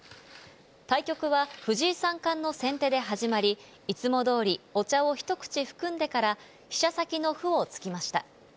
対局は藤井三冠の先手で始まり、いつもどおり、お茶を一口含んでから、飛車先の歩を突きました。